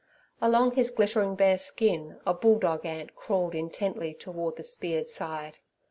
Along His glittering bare skin a bulldog ant crawled intently toward the speared side.